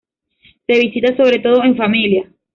Se visita sobre todo en familia.